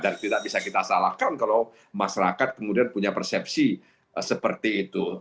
dan tidak bisa kita salahkan kalau masyarakat kemudian punya persepsi seperti itu